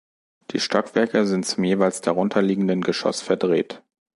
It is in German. Die Stockwerke sind zum jeweils darunter liegenden Geschoss verdreht.